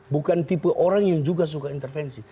bukan tipe orang yang juga suka intervensi